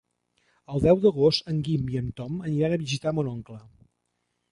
El deu d'agost en Guim i en Tom aniran a visitar mon oncle.